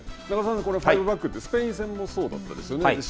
中澤さん、ファイブバックって、スペイン戦もそうだったんですよね。